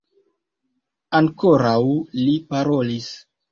Ankoraŭ li parolis.